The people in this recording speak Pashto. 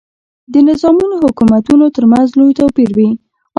د نظامونو او حکومتونو ترمنځ لوی توپیر وي.